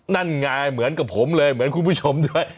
นั่นไงเหมือนกับผมเลยเหมือนคุณผู้ชมด้วย